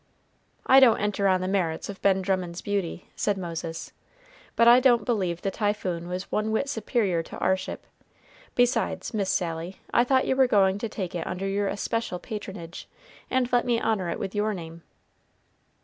"I don't enter on the merits of Ben Drummond's beauty," said Moses; "but I don't believe the Typhoon was one whit superior to our ship. Besides, Miss Sally, I thought you were going to take it under your especial patronage, and let me honor it with your name."